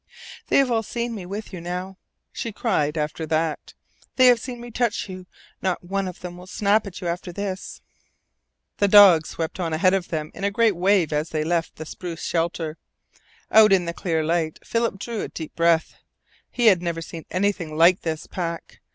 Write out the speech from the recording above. "They have all seen me with you now," she cried after that. "They have seen me touch you. Not one of them will snap at you after this." The dogs swept on ahead of them in a great wave as they left the spruce shelter. Out in the clear light Philip drew a deep breath. He had never seen anything like this pack.